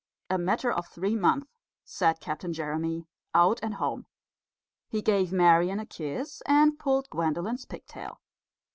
"A matter of three months," said Captain Jeremy, "out and home." He gave Marian a kiss and pulled Gwendolen's pigtail.